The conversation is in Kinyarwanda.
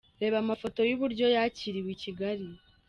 Reba amafoto y’uburyo yakiriwe i Kigali.